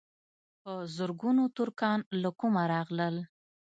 په زرګونو ترکان له کومه راغلل.